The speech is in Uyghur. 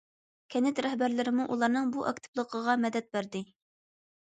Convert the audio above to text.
كەنت رەھبەرلىرىمۇ ئۇلارنىڭ بۇ ئاكتىپلىقىغا مەدەت بەردى.